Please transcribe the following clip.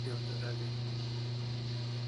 زیاده روی